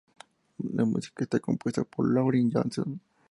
La música está compuesta por Laurie Johnson.